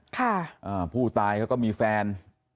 ค่ะอ่าผู้ตายเขาก็มีแฟน